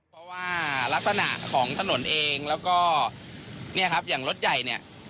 เพราะว่ารักษณะของถนนเองแล้วก็เนี่ยครับอย่างรถใหญ่เนี่ย